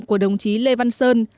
của đồng chí lê văn sơn